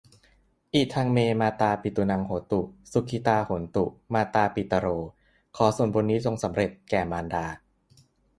อิทัง เม มาตาปิตูนัง โหตุ สุขิตา โหนตุ มาตาปิตะโร ขอส่วนบุญนี้จงสำเร็จแก่มารดา